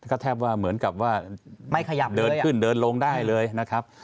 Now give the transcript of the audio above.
ก็แทบว่าเหมือนกับว่าเดินขึ้นเดินลงได้เลยนะครับ